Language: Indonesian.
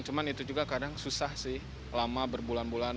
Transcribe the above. cuma itu juga kadang susah sih lama berbulan bulan